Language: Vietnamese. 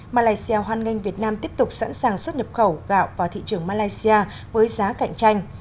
malaysia hoan nghênh việt nam tiếp tục sẵn sàng xuất nhập khẩu gạo vào thị trường malaysia với giá cạnh tranh